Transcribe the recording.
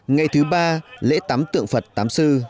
ngày thứ ba lễ tắm tượng phật tắm sư